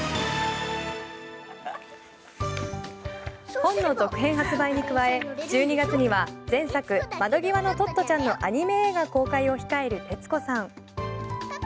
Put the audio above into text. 本の続編の発売に加え１２月には前作「窓ぎわのトットちゃん」のアニメ映画公開を控える徹子さん。